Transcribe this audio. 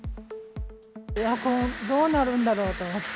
エアコン、どうなるんだろうと思って。